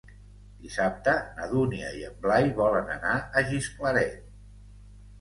Dissabte na Dúnia i en Blai volen anar a Gisclareny.